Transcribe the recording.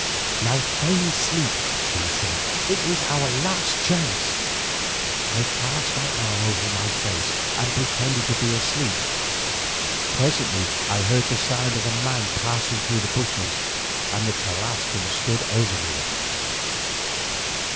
"Now feign sleep," she said; "it is our last chance." I cast my arm over my face and pretended to be asleep. Presently I heard the sound of a man passing through the bushes, and the Tlascalan stood over me.